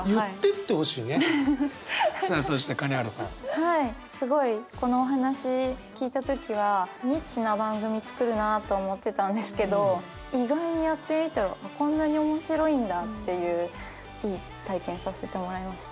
はいすごいこのお話聞いた時はニッチな番組作るなと思ってたんですけど意外にやってみたらこんなに面白いんだっていういい体験させてもらいました。